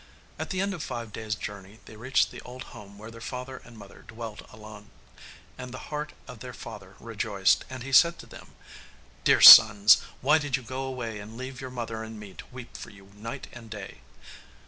At the end of five days' journey they reached the old home where their father and mother dwelt alone. And the heart of their father rejoiced, and he said to them, 'Dear sons, why did you go away and leave your mother and me to weep for you night and day?